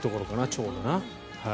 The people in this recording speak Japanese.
ちょうどな。